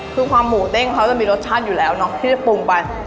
คือความหมูเด้งเขาจะมีรสชาติอยู่แล้วเนอะที่จะปรุงไป